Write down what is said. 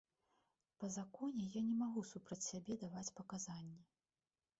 Па законе я не магу супраць сябе даваць паказанні.